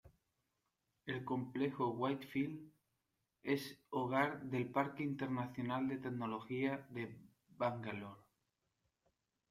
El complejo Whitefield es hogar del Parque Internacional de Tecnología de Bangalore.